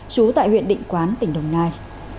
trú tại huyện định quán tỉnh đồng nai